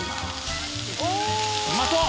うまそう！